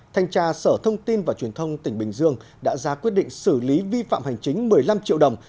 thanh tra sở thông tin và truyền thông tỉnh bình dương đã ra quyết định xử lý vi phạm hành chính một mươi năm triệu đồng